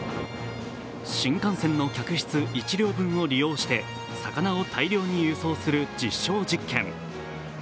新幹線の客室１両分を利用して魚を大量に輸送する実証実験。